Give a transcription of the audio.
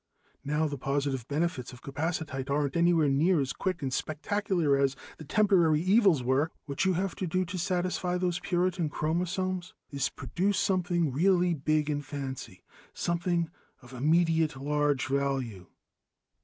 Now the positive benefits of capacitite aren't anywhere near as quick and spectacular as the temporary evils were. What you have to do, to satisfy those Puritan chromosomes, is to produce something really big and fancy, something of immediate, large value."